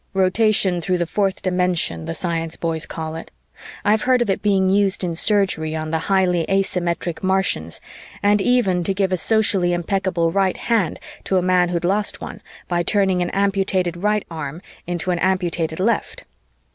Rotation through the fourth dimension, the science boys call it; I've heard of it being used in surgery on the highly asymmetric Martians, and even to give a socially impeccable right hand to a man who'd lost one, by turning an amputated right arm into an amputated left.